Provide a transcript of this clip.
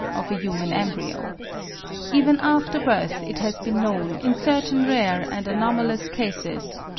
of a human embryo. Even after birth it has been known, in certain rare and anomalous cases (52.